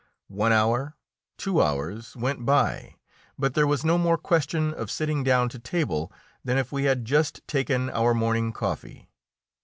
One hour, two hours went by, but there was no more question of sitting down to table than if we had just taken our morning coffee.